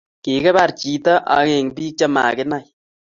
Kikipar chiton ageng pik che makinai